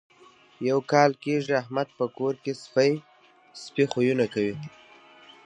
یو کال کېږي احمد په کور کې سپي خویونه کوي.